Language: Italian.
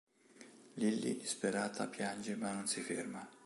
Lilly, disperata, piange ma non si ferma.